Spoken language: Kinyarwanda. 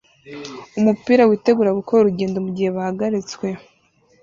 umupira witegura gukora urugendo mugihe bahagaritswe